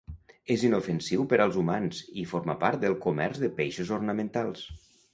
És inofensiu per als humans i forma part del comerç de peixos ornamentals.